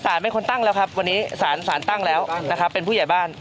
ไม่ควรตั้งแล้วครับวันนี้สารสารตั้งแล้วนะครับเป็นผู้ใหญ่บ้าน